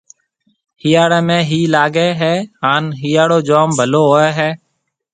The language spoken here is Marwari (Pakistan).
هِاڙي ۾ هِي لاگي هيَ هانَ هِاڙو جوم ڀلو هوئي هيَ۔